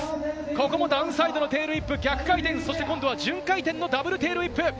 ここもダウンサイドのテールウィップ逆回転、そして順回転のダブルテールウィップ。